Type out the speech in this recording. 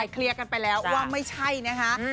เคลียร์กันไปแล้วว่าไม่ใช่นะคะ